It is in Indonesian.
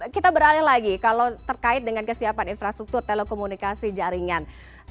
kita beralih lagi kalau terkait dengan kesiapan infrastruktur telekomunikasi jaringan